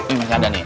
ini bisa ada nih